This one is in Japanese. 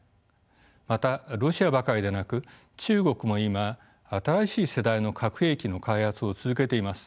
またロシアばかりでなく中国も今新しい世代の核兵器の開発を続けています。